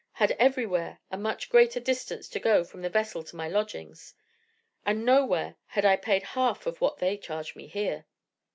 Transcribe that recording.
had everywhere a much greater distance to go from the vessel to my lodgings, and nowhere had I paid half of what they charged me here.